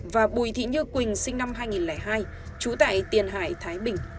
và bùi thị như quỳnh sinh năm hai nghìn hai trú tại tiền hải thái bình